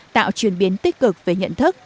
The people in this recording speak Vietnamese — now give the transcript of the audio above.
tạo chuyển biến tích cực về nhận thức